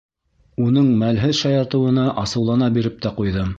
Уның мәлһеҙ шаяртыуына асыулана биреп тә ҡуйҙым.